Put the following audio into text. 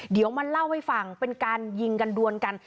เดี๋ยวมาเล่าให้ฟังเป็นการยิงกันดวนกัน